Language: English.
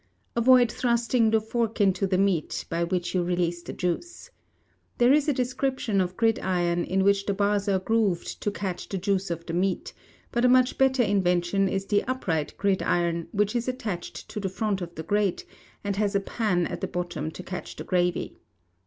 Avoid thrusting the fork into the meat, by which you release the juice. There is a description of gridiron in which the bars are grooved to catch the juice of the meat, but a much better invention is the upright gridiron, which is attached to the front of the grate, and has a pan at the bottom to catch the gravy.